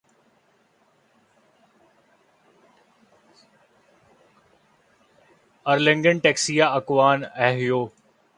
Arlington Texas Akron Ohio